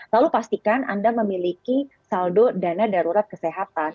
lalu pastikan anda memiliki saldo dana darurat kesehatan